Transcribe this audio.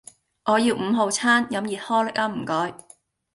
我要五號餐,飲熱可力呀唔該